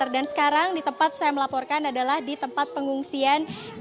dan sekarang di tempat saya melaporkan adalah di tempat pengungsian